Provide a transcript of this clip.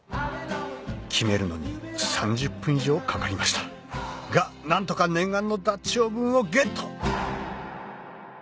決めるのに３０分以上かかりましたが何とか念願のダッチオーブンをゲット！